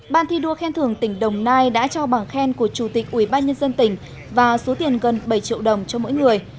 ban thi đua khen thưởng tỉnh đồng nai đã cho bảng khen của chủ tịch ủy ban nhân dân tỉnh và số tiền gần bảy triệu đồng cho mỗi người